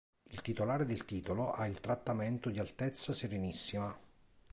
Il titolare del titolo ha il trattamento di Altezza serenissima.